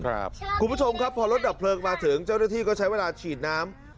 คุณผู้ชมครับพอรถดับเพลิงมาถึงเจ้าหน้าที่ก็ใช้เวลาฉีดน้ำ